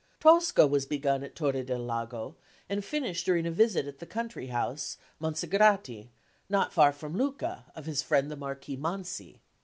Tosca was begun at Torre del Lago, and finished during a visit at the country house, Monsagrati, not far from Lucca, of his friend the Marquis Mansi.